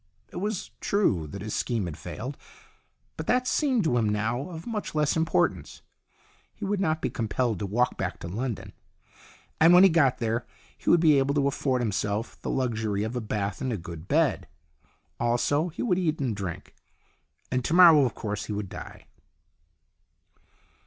It was true that his scheme had failed, but that seemed to him now of much less importance. He would not be compelled to walk back to London. And when he got there he would be able to afford himself the luxury of a bath and a good bed. Also, he would eat and drink. And to morrow, of course, he would die.